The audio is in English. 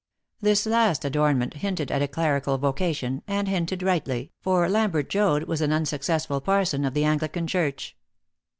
This last adornment hinted at a clerical vocation, and hinted rightly, for Lambert Joad was an unsuccessful parson of the Anglican Church.